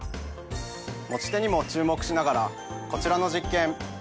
持ち手にも注目しながらこちらの実験。